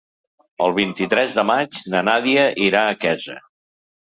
El vint-i-tres de maig na Nàdia irà a Quesa.